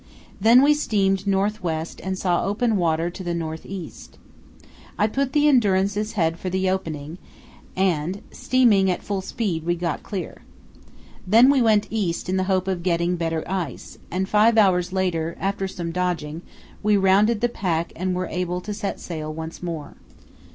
Then we steamed north west and saw open water to the north east. I put the Endurance's head for the opening, and, steaming at full speed, we got clear. Then we went east in the hope of getting better ice, and five hours later, after some dodging, we rounded the pack and were able to set sail once more.